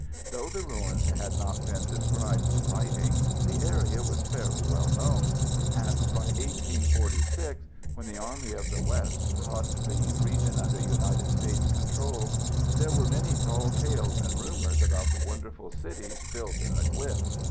Though the ruins had not been described in writing, the area was fairly well known, and by 1846, when the "Army of the West" brought the region under United States control, there were many tall tales and rumors about the wonderful cities built in the cliffs.